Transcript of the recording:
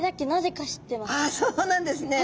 ああそうなんですね。